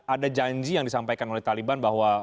ada janji yang disampaikan oleh taliban bahwa